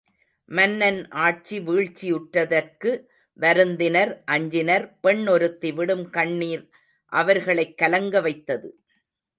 மன்னன் ஆட்சி வீழ்ச்சியுற்றதற்கு வருந்தினர் அஞ்சினர் பெண் ஒருத்தி விடும் கண்ணிர் அவர்களைக் கலங்க வைத்தது.